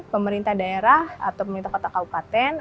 pemerintah daerah atau pemerintah kota kabupaten